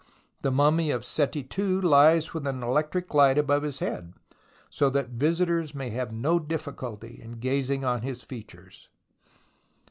The mummy of Seti ii lies with an electric light above his head, so that visitors may have no difficulty in gazing on his features